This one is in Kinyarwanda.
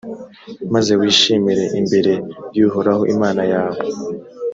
maze wishimire imbere y’uhoraho imana yawe,